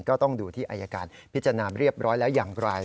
ก็ต้องดูที่อายการพิจารณาเรียบร้อยแล้วอย่างไร